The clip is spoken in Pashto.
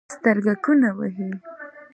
سترګکونه وهي